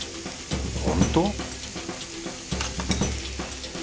ほんと？